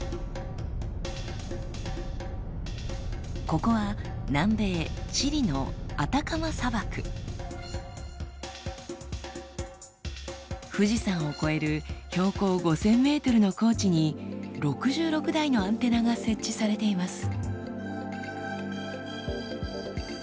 ここは南米富士山を超える標高５，０００ｍの高地に６６台のアンテナが設置されています。